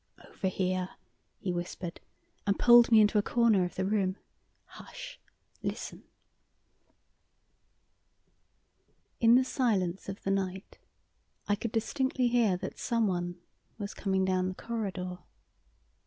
"Over here!" he whispered, and pulled me into a corner of the room. "Hush! Listen!" In the silence of the night I could distinctly hear that someone was coming down the corridor.